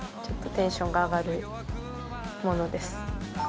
ちょっとテンションが上がるものです。